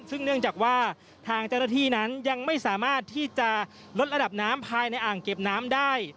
ซึ่งเนื่องจากว่าทางเจ้าหน้าที่นั้นยังไม่สามารถที่จะลดระดับน้ำภายในอ่างเก็บน้ำได้